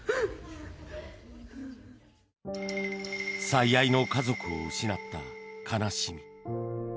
最愛の家族を失った悲しみ。